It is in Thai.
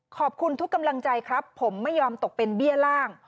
ขอบคุณทุกกำลังใจครับผมไม่ยอมตกเป็นเบี้ยล่าง